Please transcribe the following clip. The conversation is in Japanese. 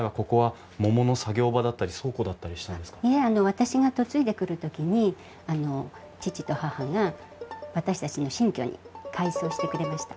私が嫁いでくる時に義父と義母が私たちの新居に改装してくれました。